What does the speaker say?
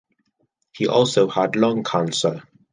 He also had lung cancer.